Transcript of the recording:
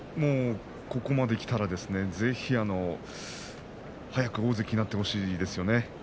ここまできたらぜひ、早く大関になってほしいですよね。